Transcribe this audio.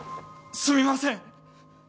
すみません！